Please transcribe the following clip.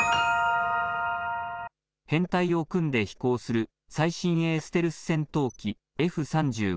編隊を組んで飛行する最新鋭ステルス戦闘機Ｆ３５Ａ。